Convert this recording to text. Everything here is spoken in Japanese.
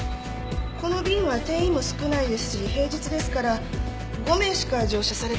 この便は定員も少ないですし平日ですから５名しか乗車されてませんね。